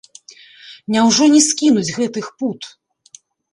Няўжо не скінуць гэтых пут?